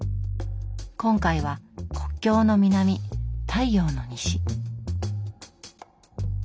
今回は「国境の南、太陽の西」。